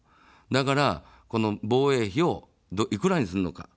だから、防衛費をいくらにするのか。